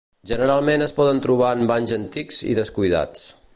Generalment es poden trobar en banys antics i descuidats.